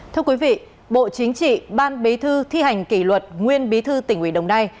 thưa quý vị bộ chính trị ban bí thư thi hành kỷ luật nguyên bí thư tỉnh ủy đồng nai